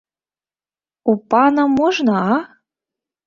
У пана можна, а?